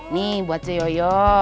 nih buat coyoyo